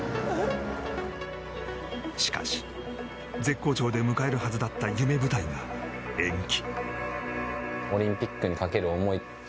しかし、絶好調で迎えるはずだった夢舞台が延期。